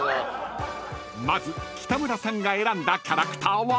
［まず北村さんが選んだキャラクターは］